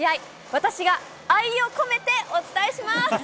私が愛を込めてお伝えします。